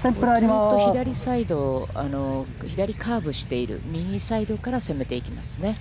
ずうっと左サイド、左カーブしている、右サイド攻めていきますね。